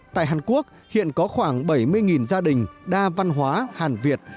tại hàn quốc hiện có khoảng bảy mươi gia đình đa văn hóa hàn việt